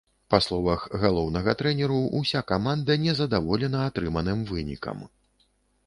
Па словах галоўнага трэнеру ўся каманда незадаволена атрыманым вынікам.